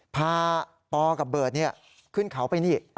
พาปอกับเบิร์ตขึ้นเขาไปนี่